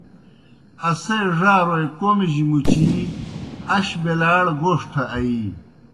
اسے ڙاروئے کوْمِجیْ مُچِی اش بیلاڑ گوݜٹھہ آیِی۔